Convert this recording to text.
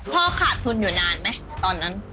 ขาดทุนอยู่นานไหมตอนนั้น